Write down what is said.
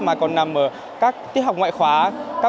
mà còn nằm ở các thiết học ngoại khóa